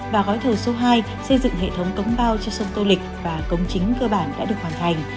và gói thầu số hai xây dựng hệ thống cống bao cho sông tô lịch và cống chính cơ bản đã được hoàn thành